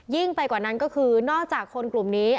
ไปกว่านั้นก็คือนอกจากคนกลุ่มนี้